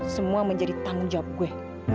semua menjadi tanggung jawab gue